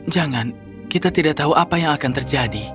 jangan kita tidak tahu apa yang akan terjadi